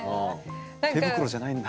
手袋じゃないんだ。